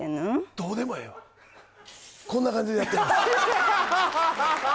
どうでもええわこんな感じでやってます